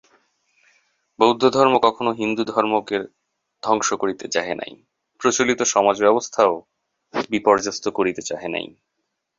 বৌদ্ধধর্ম কখনও হিন্দুধর্মকে ধ্বংস করিতে চাহে নাই, প্রচলিত সমাজ-ব্যবস্থাও বিপর্যস্ত করিতে চাহে নাই।